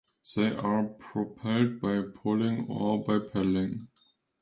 They are propelled by poling or by paddling.